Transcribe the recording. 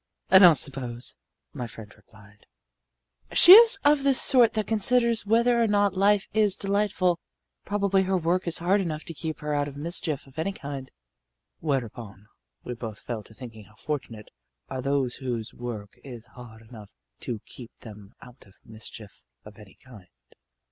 "I don't suppose," my friend replied, "she is of the sort that considers whether or not life is delightful. Probably her work is hard enough to keep her out of mischief of any kind." Whereupon we both fell to thinking how fortunate are they whose work is hard enough to keep them out of mischief of any kind.